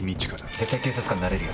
絶対、警察官になれるよ。